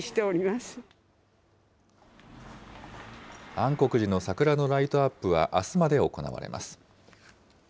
安国寺の桜のライトアップは、あすまで行われます。